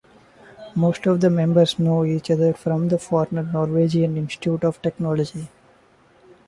Most of the members know each other from the former Norwegian Institute of Technology.